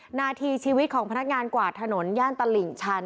หน้าที่ชีวิตของพนักงานกวาดถนนย่านตลิ่งชัน